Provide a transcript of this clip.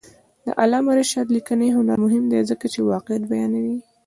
د علامه رشاد لیکنی هنر مهم دی ځکه چې واقعیت بیانوي.